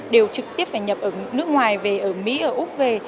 đều trực tiếp phải nhập ở nước ngoài về ở mỹ ở úc về